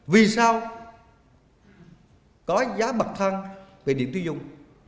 vì sao có giá bậc thăng về điện tiêu dùng